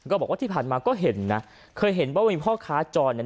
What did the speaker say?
ก็บอกว่าที่ผ่านมาก็เห็นนะเคยเห็นว่ามีพ่อค้าจรเนี่ย